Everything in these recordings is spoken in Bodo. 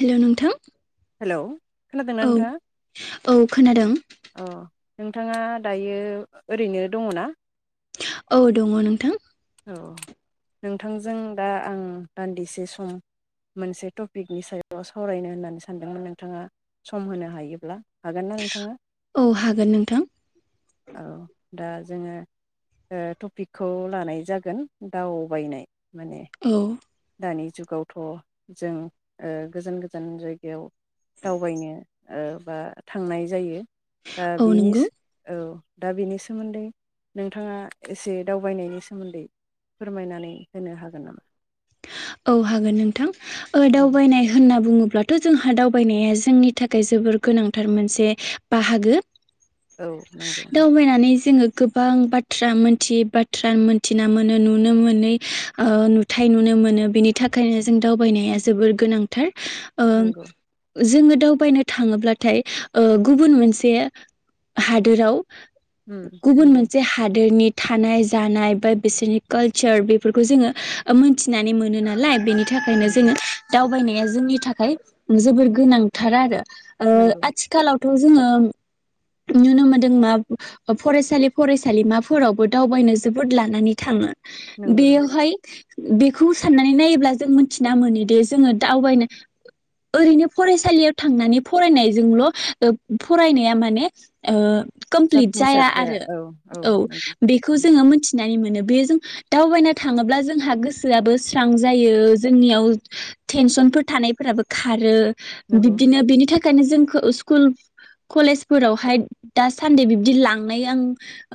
हेलौ' नोंथां हेलौ खोनादोंना औ नोंथाङा औ खोनादों अ नोंथाङा दायो ओरैनो दङ ना? औ दङ नोंथां। औ नोंथांजों दा आं दान्दिसे सम मोनसे टपिकनि सायाव सावरायनो होननानै सानदोंमोन नोंथाङा सम होनो हायोब्ला हागोन ना नोंथाङा? औ हागोन नोंथां औ। दा जोङो ओ टपिकखौ लानाय जागोन दाव बायनाय माने औ दानि जुगावथ' जों ओ गोजान गोजान जायगायाव दावबायनो ओ बा थांनाय जायो दा औ बिनिस नंगौ औ दा बिनि सोमोन्दै नोंथाङा एसे दावबायनायनि सोमोन्दै फोरमायनानै होनो हागोन नामा? औ हागोन नोंथां। ओ नों दावबायनाय होनना बुङो ब्लाथ' जोंहा दावबायनाया जोंनि थाखाय जोबोर गोनांथार मोनसे बाहागो औ नंगौ। दावबायनानै जोङो गोबां बाथ्रा मोनथियै बाथ्रा मोनथिना मोनो नुनो मोनै ओ नु थाय नुनो मोनो बिनि थाखायनो जों दावबायनाया जोबोर गोनांथार ओं नंगौ जोङो दावबायनो थाङोब्लाथाय ओ गुबुन मोनसे हादोराव उम गुबुन नंगौ मोनसे हादोरनि थानाय जानाय बा बिसोरनि कालचार बेफोरखौ जोङो मोनथिनानै मोनो नालाय बेनि थाखायनो नंगौ जोङो दावबायनाय जोंनि थाखाय जोबोर गोनांथार आरो ओ नंगौ आथिखालाव थ' जोङो नुनो मोनदों मा फरायसालि फरायसालिमाफोरावबो दावबायनो जोबोद लानानै थाङो। नंगौ नोंथां बेयोहाय बेखौ साननानै नायोब्ला जों मिथिना मोनोदि जोङो दावबायनो ओरैनो फरायसालियाव थांनानै फरायनायजोंल' ओ फरायनाया माने ओ कमप्लिट जाया जाफुंसार आरो औ औ नंगौ बेखौ उम जोङो मिथिनानै मोन बे जों दावबायना थाङोब्ला जों जोंहा गोसोआबो स्रां जायो जोंनियाव टेनसनफोर थानायफोराबो खारो नंगौ बिदिनो बिनि थाखाय खायनो जोंखौ स्कुल कलेजफोरावहाय दा सान्दि बिब्दि लांनाय आं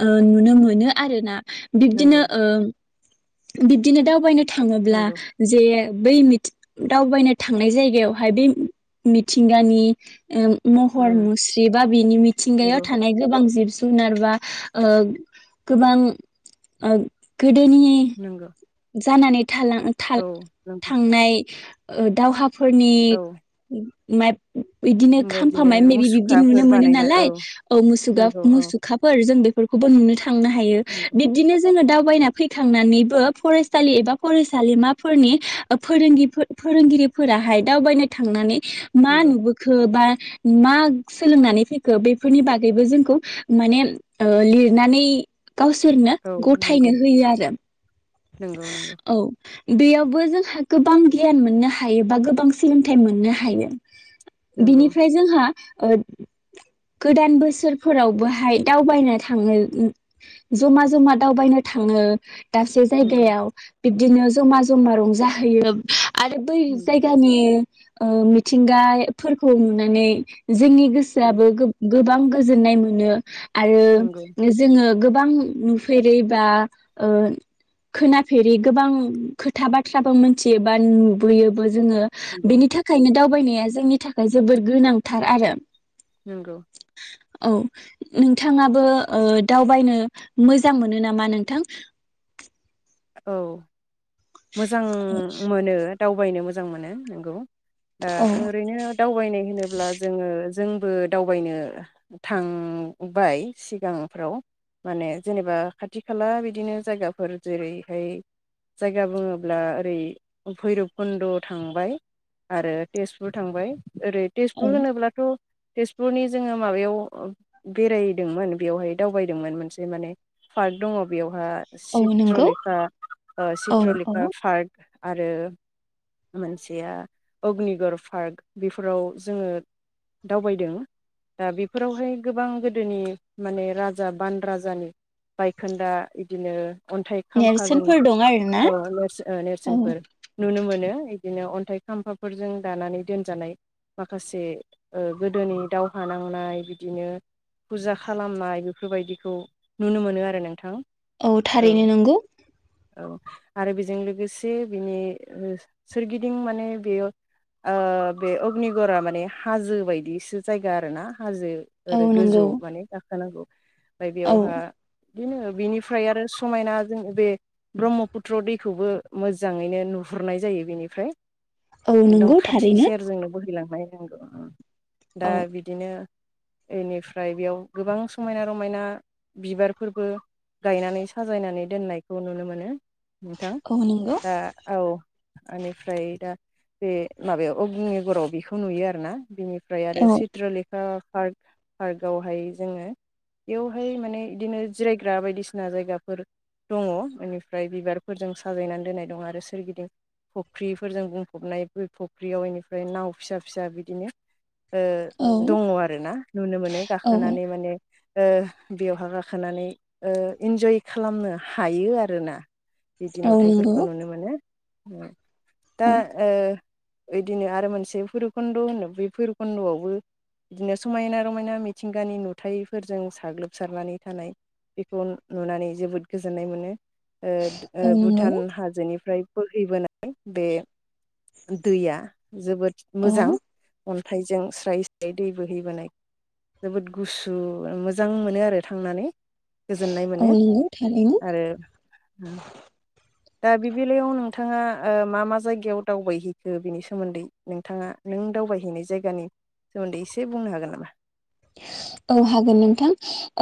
ओ नुनो मोनो आरो ना बिब्दिनो नंगौ ओ बिब दिनो दावबायनो थाङोब्ला नंगौ जे बै मिथ दावबायनो थांनाय जायगायावहाय बे मिथिंगानि ओ महर ओ मुस्रि बा बिनि मिथिंगायाव नंगौ थानाय गोबां जिब जुनार बा ओ गोबां ओ गोदोनि नंगौ जानानै थालां थाल औ नंगौ थांनाय ओ दावहा फोरनि औ नेत बिदिनो खामफा बेबायदिनो माय मेबि बिब्दि नुनो मुसुखाफोर मोनो बानायना नालाय औ नंगौ औ मुसुगा-मुसुखाफोर जों बे फोरखौबो नुनो था थांनो हायो नंगौ बिब्दिनो जोङो दावबायना फैखांनानैबो फरायसालि एबा फरायसालिमाफोरनि ओ फोरोंगि-फो फोरोंगिरिफोराहाय दावबायनो थांनानै मा नंगौ नुबोखो बा मा सोलोंनानै फैखो बेफोरनि बागैबो जोंखौ माने लिरनानै गावसोरनो औ गथायनो होयो आरो नंगौ नंगौ औ बेयावबो जोंहा गोबां गियान मोननो हायो बा गोबां सोलोंथाइ मोननो हायो नंगौ बिनिफ्राय जोंहा ओ गोदान बोसोरफोरावबोहाय दावबायनो थाङो ओ जमा-जमा दावबायनो थाङो दाबसे नंगौ जायगायाव बिदिनो जमा जमा रंजाहैयो आरो बै नंगौ नंगौ जायगानि ओ मिथिंगाफोरखौ नुनानै जोंनि गोसोआबो गोब-गोबां गोजोननाय मोनो आरो नंगौ जोङो गोब बां नुफेरै बा ओ खोनाफेरै गोबां खोथा बाथ्राबो मोनथियो बा नुबुयोबो जोङो नंगौ बेनि थाखायनो दावबायनो जोंनि थाखाय जोबोर गोनांथार आरो। नंगौ। औ नोंथाङाबो ओ दावबायनो मोजां मोनो नामा नोंथां? औ। मोजां मोनो। दावबायनो मोजां मोनो नंगौ। ओ औ ओरैनो दावबायनाय होनोब्ला जोङो जोंबो दावबायनो थांबाय सिगांफ्राव माने जेनेबा खाथि खाला बिदिनो जायगाफोर जेरै ओमफ्राय जायगा बुङोब्ला ओरै भैरब कुन्द' थांबाय आरो तेजपुर थांबाय ओरै तेजपुर औ होनोब्लाथ' तेजपुरनि जोङो माबायाव बेरायदोंमोन बेवहाय दावबायदोंमोन मोनसे माने पार्क दङ बेवहा औ नंगौ चित्रले खा ओ औ चित्रलेखा औ पार्क आरो मोनसेया अग्निगर पार्क बेफोराव जोङो दावबायदों दा बेफोरावहाय गोबां गोदोनि माने राजा बान राजानि बायखोन्दा बिदिनो खाम्फागों नेरसोनफोर दं आरोना औ औ नेरसो-नेरसोनफोर नुनो मोनो। बिदिनो अन्थाइ खाम्फाफोरजों दानानै दोनजानाय माखासे गोदोनि दावहा नांनाय बिदिनो फुजा खालामनाय बेफोरबायदिखौ नुनो मोनो आरो नोंथां। औ थारैनो नंगौ। औ आरो बेजों लोगोसे बिनि सोरगिदिं माने बेयो ओ बे अग्निगरा माने हाजो बायदिसो जायगा आरोना। हाजो औ ओरै गोजौ नंगौ माने गाखोनांगौ। ओमफ्राय औ बेयावहा बिदिनो बिनिफ्राय आरो समायना जोङो बे ब्रह्मपुत्र दैखौबो मोजाङैनो नुहुरनाय जायो बेनिफ्राय औ एकदम नंगौ खाथि थारैनो सेरजोंनो बोहैलांङो [unintelligible] दा औ बिदिनो बेनिफ्राय बेयाव गोबां समायना रमायना बिबारफोरबो गायनानै साजायनानै दोननायखौ नुनो मोनो। नोंथां औ नंगौ दा औ बेनिफ्राय दा बे माबायाव अगनिगराव बेखौ नुयो आरोना बिनि फ्राय आरो औ चित्रलेखा पार्क पार्कआवहाय जोङो बेयावहाय माने बिदिनो जिरायग्रा बायदिसिना जायगाफोर दङ बेनिफ्राय बिबारफोरजों साजायनानै दोननाय दङ आरो सोरगिदिं फुख्रिफोरजों बुंफबनाय फख्रियाव बेनिफ्राय नाव फिसा फिसा बिदिनो ओ औ दङ आरोना नुनो मोनो औ गाखोनानै माने- ओ बेवहाय गाखोनानै इन्जय खालामनो हायो आरोना। बिदि औ नंगौ नुथायफोरखौ नुनो मोनो। ओ। दा औ ओ। इदिनो आरो मोनसे भैरबकुन्द' होनो बे भैरबकुन्द'आवबो बिदिनो समायना रमायना मिथिंगानि नुथायफोरजों साग्लोबसारनानै थानाय बेखौ नुनानै। जोबोद गोजोननाय मोनो। ओद ओ औ नंगौ भुटान हाजोनिफ्राय। बोहैबोनाय बे। दैया जोबोद औ मोजां। अन्थाइजों स्रायै स्रायै दै बोहैबोनाय जोबोद गुसु मोजां मोनो आरो थांनानै। गोजोननाय औ मोनो। नंगौ थारैनो आरोे दा बे बेलायाव नोंथाङा ओ मा मा जायगायाव दावबायहैखो बिनि सोमोन्दै नोंथाङा नों दावबायहैनाय जायगानि सोमोन्दै एसे बुंनो हागोन नामा। औ हागोन नोंथां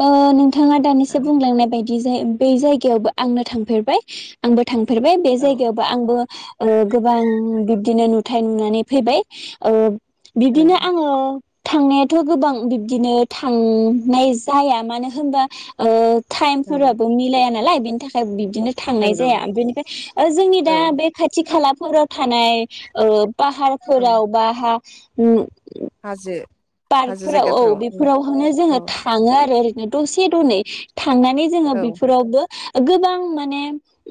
ओ नोंथ। बिथाङा दानिसो बुंलांनाय बायदि। बै जायबो जायगायावबो आंनो थांफेरबाय आंबो। थांफेरबाय बे औ जायगायावबो आंबो ओ गोबां बिब्दिनो न। गथाय नुनानै फैबाय ओ। बिदिनो नंगौ आङो। थांनायाथ' गोबां बि। बिदिनो थांनाय जाया मानो होनबा ओ। नंगौ टाइमफोराबो मिलाया नालाय। बिनि थाखाय बि। बिदिनो थांनाय नंगौ जाया बेनिफ्राय ओ जोंनि औ दा बे खाथि खाला। नखराव थानाय ओ। औ पाहारफोराव बा हा। उम। हाजो। हाजो पार्कफोराव औ जायगाफोराव बेफोरावहनो जोङो औ थाङो आरो। दसे द' नै था। थांनानै जोङो औ बेफोरावबो। गोबां माने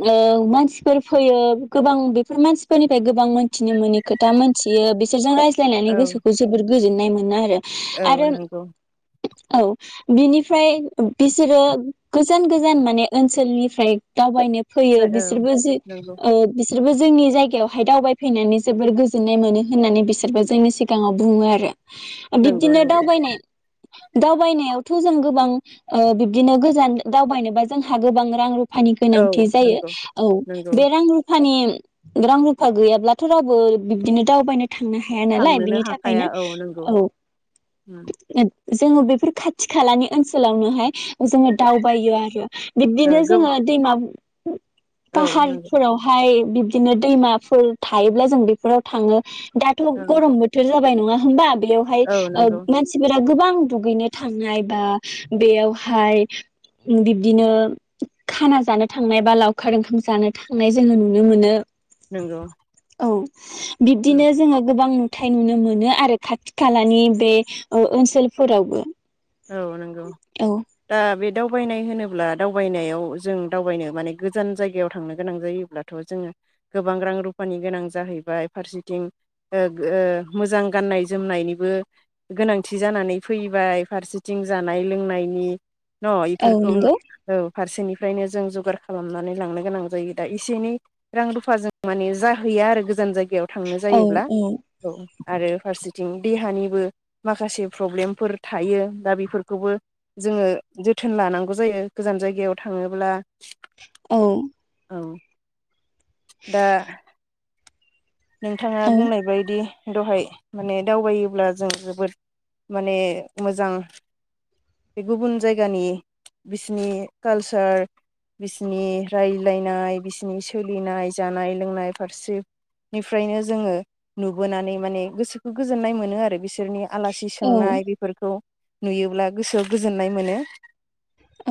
ओ मानसिफोर फैयो गोबां बेफोर मानसिफोरनिफ्राय गोबां मोनथिनो मोननि खोथा मोनथियो बिसोरजों राय। फायनानै गोसोखौ जोबोर। गोजोननाय मोनो आरो। औ आरो। नंगौ औ बिनिफ्राय बिसोरो गोजान गोजान माने ओनसोलनिफ्राय दावबायनो। फैयो औ बिसोरबो जि नंगौ ओ बिसोरबो। जोंनि जायगायावहाय दावबायफैनानै जोबोर गोजोननाय मोनो। होननानै बिसोरबो जोंनि सिगाङाव। बुङो आरो। नंगौ बिब्दिनो नंगौ दावबायनाय। दावबायनायावथ' जों गोबां ओ बिबदिनो गोजान दावबायनोबा जोंहा गोबां रां रुब रुफानि औ गोनांथि जायो नंगौ औ नंगौ बे रां रुफानि। रां रुफा गैयाब्लाथ' रावबो बिबदिनो दावबायनोथ। थांनो हाया नालाय बिनि थाखायनो औ। ओम। जोंङो बेफोर खाथि खालानि ओनसोलावनोहाय जोंङो दावबायो आरो ओ बिब्दिनो गो जोंङो दैमब औ नंगौ पाहारफोरावहाय बिब्दिनो दैमाफोर थायोब्ला जों बेफोराव थाङो। दाथ' औ गरम बोथोर जाब नङा होमबा बेयावहा औ ओब नंगौ मानसिफोरा गोबां दुगैनो थांनाय बा बेयावहाय बिब्दिनो खाना जानो थांनाय बा लावखार ओंखाम जानो थांनाय जोंङो नुनो मोनो। नोंगौ। बिबदिनो जोंङो गोबां नु थाय नुनो मोनो आरो खाथि खाला नि बे ओनसोलफोरावबो। औ नंगौ औ दा बेद दावबायनाय होनोब्ला दावबायनायाव जों दावबायनो माने गोजान जायगायाव थांनो गोनां जायोब्लाथ' जोंङो गोबां रां रुफानि गोनां जाहैबाय फारसेथिं ओ ओ मोजां गाननाय जोमनायनिबो गोनांथि जानानै फैबाय। फारसिथिं जानाय लोंनायनि न औ इफोरखौ ला नंगौ औ फारसेनिफ्रायनो जों जगार खालामनानै लांनो गोनां जायो दा इसे एनै रां रुफा जों माने जाहैया आरो गोजान जायग बिगायाव थांनो औ जायोब्ला औ औ। आरो फारसिथिं देहानिबो माखासे प्रब्लेमफोर थायो दा बिफोरखौबो जोंङो जोथोन लानांगौ जायो गोजान जायगायाव थाङोंब्ला। औ औ दा नोंथाङा औ बुंनाय बायदि दहाय माने दावबायोब्ला जों जोबोद माने मोजां बे गुबुन जायगानि बिसिनि कालसार बिसिनि रायलायनाय बिसिनि सोलिनाय जानाय लोंनाय फारसे निफ्रायनो जोङो नुबोनानै माने गोसोखौ गोजोननाय मोनो आरो बिसोरनि आलासि औ सोंनाय बेफोरखौ नुयोब्ला गोसोआव गोजोननाय मोनो।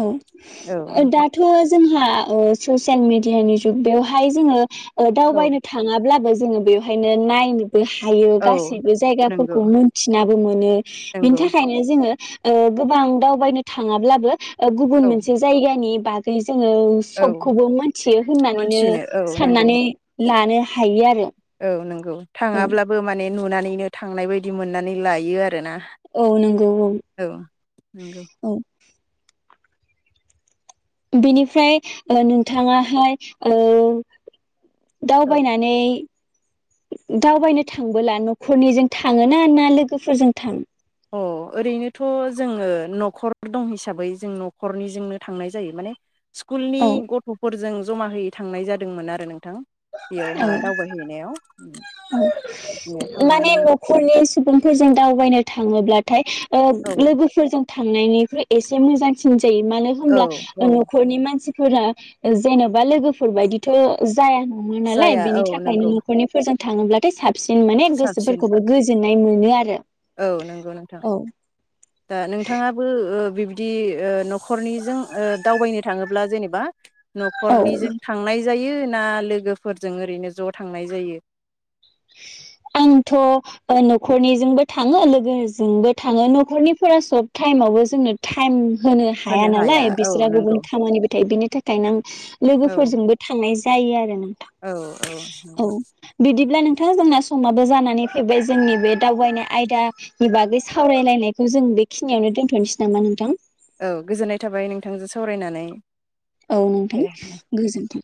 औ दाथ' जोंहा ओ ससियेल मिडियानि जु ग बेवहाय जोङो औ दावबायनो थाङाब्लाबो जोङो बेवहायनो नायनो हायो औ गासैबो नंगौ जायगाफोरखौ मोनथिनाबो मोनो बिनि नंगौ थाखायनो जोङो ओ गोबां दावबायनो थाङाब्लाबो गुबुन औ मोनसे जायगानि बागै जोङो औ सबखौबो मोनथियो होननानैनो मोनथिनो औ नंगौ साननानै लानो हायो आरो औ नंगौ नों औ थाङाब्लाबो माने नुनानैनो थांनाय बायदि मोननानै लायो आरोना औ नंगौ औ नंगौ औ बेनिफ्राय नोंथाङाहाय ओ औ दावबायनानै दावबायनो थांबोला न'खरनिजों थाङोना ना लोगोफोरजों थां अ ओरैनोथ' जोङो न'खर दं हिसाबै जों न'खरनिजोंनो थांनाय जायो माने स्कुलनि औ गथ'फोरजों जमा होयै थांनाय जादोंमोन आरो नों थां औ बेयावहा दावबायहैनायाव बिदिनो माने थांनानै न'खरनि सुबुंफोरजों दावबायनो थाङोब्लाथाय ओ औ लोगोफोरजों थांनायनिख्रुइ एसे मोजांसिन मानो औ होनब्ला औ नखरनि मानसि फोरा जेन'बा लोगोफोर बायदिथ' जाया नङा नालाय जाया बेनि औ थाखायनो नंगौ न'खरनिफोरजों थाङोब्लाथाय साब सिन माने साबसिन गोसोफोरखौबो गोजोन नायेन मोनो आरो औ नंगौ नोंथां औ दा नोंथाङाबो ओब बिबदि ओ न'खरनिजों ओ दावबायनो थाङोब्ला जेनेबा औ न'खरनिजों थांनाय जायो ना लोगोफोरजों ओरैनो ज' थांनाय जायो। आंथ' ओ न'खरनिजोंबो थाङो लोगोजोंबो थाङो न'खरनिफोरा सब टाइमावबो जोंनो टाइम होनो हाया नालाय बिसोरा गुबुन खामानिबो थायो बिनि थाखायनो आं औ लोगोफोरजोंबो थांनाय जा जायो आरो ना औ औ नंगौ औ बिदिब्ला नों नोंथां जोंना समाबो जानानै फैबाय जोंनि बे दावबायनाय आयदा नि बागै सावरायलायनायखौ जों बेखिनियावनो दोनथ'नोसै नामा नोंथां? औ गोजोननाय थाबाय नोंथांजों सावरायनानै। औ नोंथां दे गोजोन्थों।